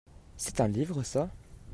C'est un livre ça ?